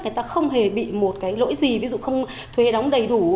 người ta không hề bị một cái lỗi gì ví dụ không thuê đóng đầy đủ